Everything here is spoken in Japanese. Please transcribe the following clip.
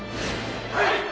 はい！